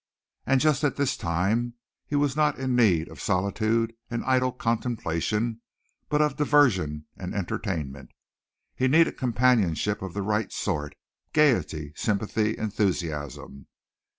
And just at this time he was not in need of solitude and idle contemplation but of diversion and entertainment. He needed companionship of the right sort, gayety, sympathy, enthusiasm.